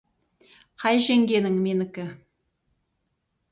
Қай жеңгенің — менікі.